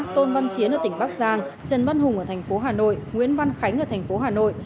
tôn văn chiến ở tp bắc giang trần văn hùng ở tp hà nội